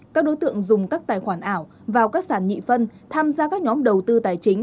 các đối tượng dùng các tài khoản ảo vào các sản nhị phân tham gia các nhóm đầu tư tài chính